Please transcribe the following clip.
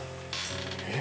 えっ。